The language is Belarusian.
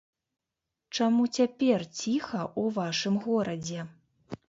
Чаму цяпер ціха ў вашым горадзе?